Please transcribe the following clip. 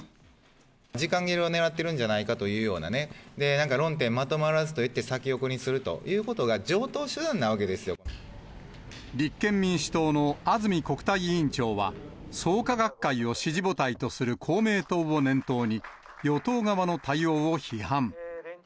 時間切れをねらっているんじゃないかというようなね、なんか論点まとまらずといって先送りにするということが、立憲民主党の安住国対委員長は、創価学会を支持母体とする公明党を念頭に、与党側の対応を批判。